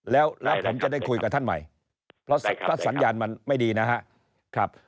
แล้วผมจะได้คุยกับท่านใหม่เพราะสัญญาณมันไม่ดีนะครับ